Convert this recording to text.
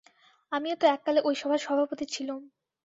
আমিও তো এক কালে ঐ সভার সভাপতি ছিলুম!